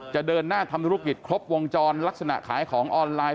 เดินหน้าทำธุรกิจครบวงจรลักษณะขายของออนไลน์